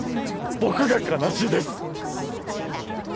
僕が悲しいです！